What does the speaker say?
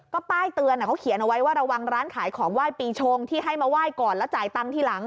ก็ป้ายเตือนเขาเขียนเอาไว้ว่าระวังร้านขายของไหว้ปีชงที่ให้มาไหว้ก่อนแล้วจ่ายตังค์ทีหลัง